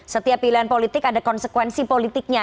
setiap pilihan politik ada konsekuensi politiknya